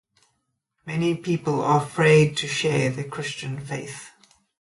Many people are afraid to share their Christian faith.